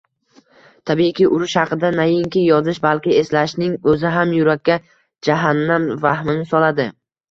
Tabiiyki, urush haqida nainki yozish, balki eslashning o‘zi ham yurakka jahannam vahmini soladi